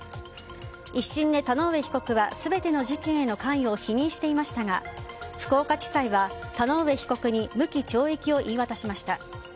１審で田上被告は全ての事件への関与を否認していましたが福岡地裁は田上被告に無期懲役を言い渡しました。